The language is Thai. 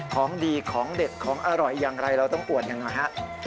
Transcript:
ของดีของเด็ดของอร่อยอย่างไรเราต้องอวดอย่างไรฮะ